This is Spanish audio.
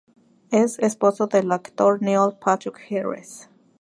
Es esposo del actor Neil Patrick Harris.